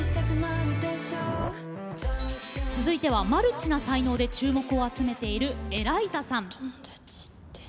続いてはマルチな才能で注目を集めているＥＬＡＩＺＡさん。